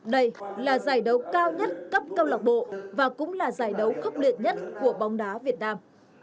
đây là giải đấu cao nhất cấp câu lạc bộ và cũng là giải đấu khốc liệt nhất của bóng đá việt nam